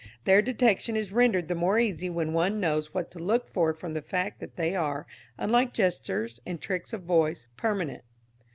Their detection is rendered the more easy when one knows what to look for from the fact that they are, unlike gestures and tricks of voice, permanent.